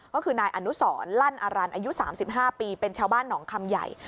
ก็คือนายอนุสรลั่นอรันอายุ๓๕ปีเป็นชาวบ้านหนองคำใหญ่